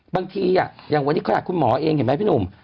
บางทีอ่ะอย่างวันนี้โคดรัสคุณหมอเองเห็นมั้ยพี่หนุ่ม